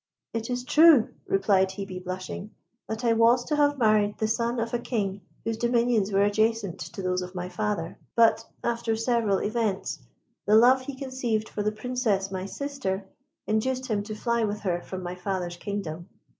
'" "It is true," replied Hebe, blushing, "that I was to have married the son of a King whose dominions were adjacent to those of my father; but, after several events, the love he conceived for the Princess, my sister, induced him to fly with her from my father's kingdom."